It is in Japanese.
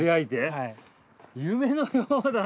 はい。